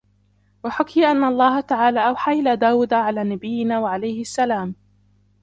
وَحُكِيَ أَنَّ اللَّهَ تَعَالَى أَوْحَى إلَى دَاوُد عَلَى نَبِيِّنَا وَعَلَيْهِ السَّلَامُ